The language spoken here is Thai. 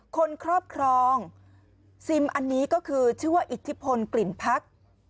ครอบครองซิมอันนี้ก็คือชื่อว่าอิทธิพลกลิ่นพัก